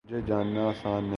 مجھے جاننا آسان نہیں ہے